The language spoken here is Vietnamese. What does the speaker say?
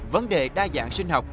vấn đề đa dạng sinh học